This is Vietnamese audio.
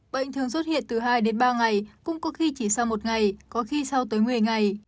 bệnh thường xuất hiện từ hai đến ba ngày cũng có khi chỉ sau một ngày có khi sau tới một mươi ngày